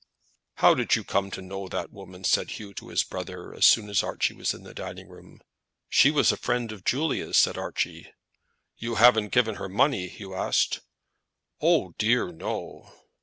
"How did you come to know that woman?" said Hugh to his brother, as soon as Archie was in the dining room. "She was a friend of Julia's," said Archie. "You haven't given her money?" Hugh asked. "O dear, no," said Archie.